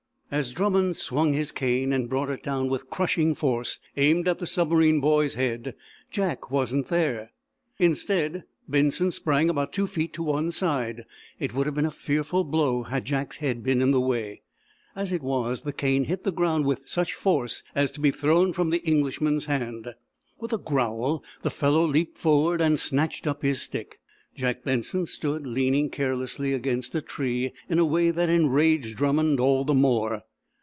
As Drummond swung his cane and brought it down with crushing force, aimed at the submarine boy's head, Jack wasn't there. Instead, Benson sprang about two feet to one, side. It would have been a fearful blow had Jack's head been in the way. As it was, the cane hit the ground with such force as to be thrown from the Englishman's hand. With a growl, the fellow leaped forward and snatched up his stick. Jack Benson stood leaning carelessly against a tree, in a way that enraged Drummond all the more.